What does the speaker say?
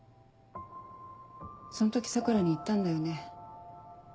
そん時桜に言ったんだよね。